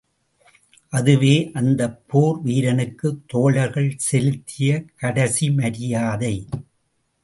அதுவே அந்தப் போர் வீரனுக்குத் தோழர்கள் செலுத்திய கடைசி மரியாதை.